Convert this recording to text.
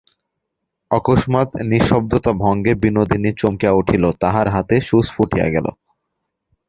অকসমাৎ নিঃশব্দতাভঙ্গে বিনোদিনী চমকিয়া উঠিল–তাহার হাতে ছুঁচ ফুটিয়া গেল।